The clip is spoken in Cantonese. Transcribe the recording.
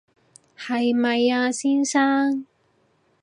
係咪啊，先生